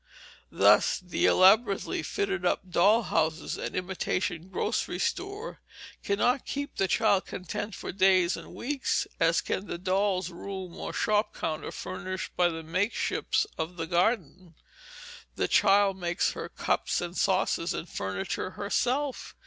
Thus the elaborately fitted up doll's house and imitation grocery store cannot keep the child contented for days and weeks as can the doll's room or shop counter furnished by the makeshifts of the garden. The child makes her cups and saucers and furniture herself.